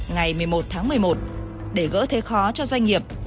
ngày một mươi một tháng một mươi một để gỡ thế khó cho doanh nghiệp